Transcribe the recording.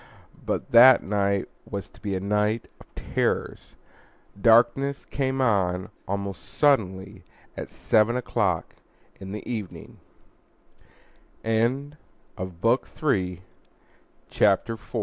But that night was to be a night of terrors. Darkness came on almost suddenly at seven o'clock in the evening; the sky was very threateni